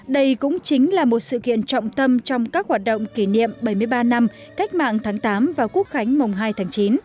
đây cũng chính là một sự kiện trọng tâm trong các hoạt động kỷ niệm bảy mươi ba năm cách mạng tháng tám và quốc khánh mùng hai tháng chín